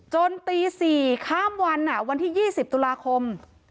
จนตี๔ข้ามวันวันที่๒๐ตุลาคม